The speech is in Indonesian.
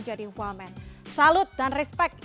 jadi woman salud dan respect